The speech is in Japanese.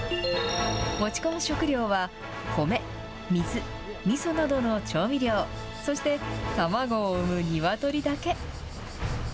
持ち込む食料は、米、水、みそなどの調味料、そして、卵を産むニワトリだけ。